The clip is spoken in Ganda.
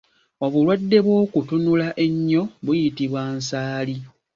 Obulwadde obw’okutunula ennyo buyitibwa Nsaali.